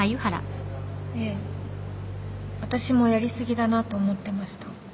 ええ私もやり過ぎだなと思ってました。